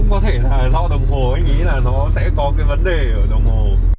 cũng có thể là do đồng hồ nghĩ là nó sẽ có cái vấn đề ở đồng hồ